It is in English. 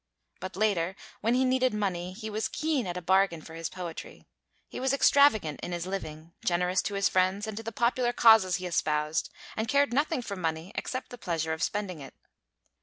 But later, when he needed money, he was keen at a bargain for his poetry. He was extravagant in his living, generous to his friends and to the popular causes he espoused, and cared nothing for money except the pleasure of spending it.